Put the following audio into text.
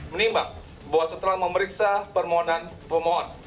menimbang bahwa setelah memeriksa permohonan pemohon